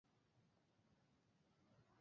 আশা করি সে ভালো আছে?